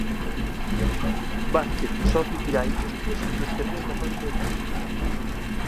Váquez só admitirá industrias nos terreos da fábrica de tabacos